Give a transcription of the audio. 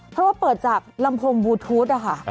เพราะว่าเปิดจากลำโพงบลูทูธนะคะ